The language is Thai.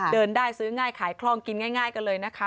เดินได้ซื้อง่ายขายคล่องกินง่ายกันเลยนะคะ